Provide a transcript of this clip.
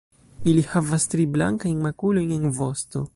Ili havas tri blankajn makulojn en vosto.